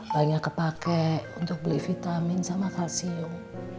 banyak kepake untuk beli vitamin sama kalsium